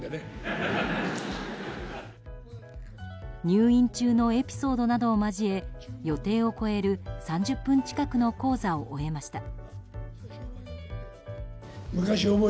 入院中のエピソードなどを交え予定を超える３０分近くの高座を終えました。